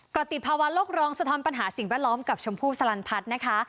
ก็ติดภาวะโลกร้องสะท้อนปัญหาสิ่งแวดล้อมกับชมพู่สลันพัฒน์นะคะ